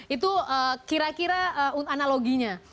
itu kira kira analoginya